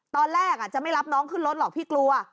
ตอนแรกจะไม่รับน้องขึ้นรถหรอกพี่กลัว